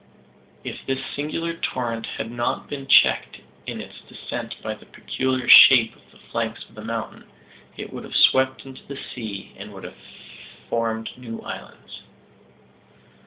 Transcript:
If this singular torrent had not been checked in its descent by the peculiar shape of the flanks of the mountain, it would have swept into the sea, and would have formed new islands.